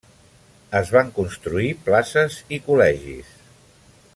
Es van construir places i col·legis.